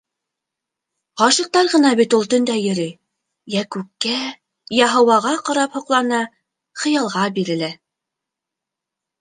Ғашиҡтар ғына бит ул төндә йөрөй, йә күккә, йә һыуға ҡарап һоҡлана, хыялға бирелә...